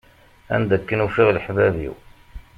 Anda akken ufiɣ leḥbab-iw.